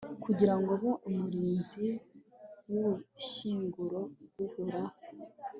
kugira ngo abe umurinzi w'ubushyinguro bw'uhoraho